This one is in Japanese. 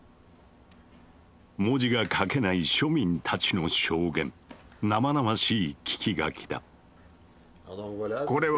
文字が書けない庶民たちの証言生々しい聞き書きだ。